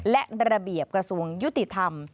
และระเบียบกระทรวงยุติธรรม